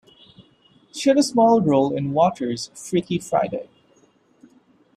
She had a small role in Waters' "Freaky Friday".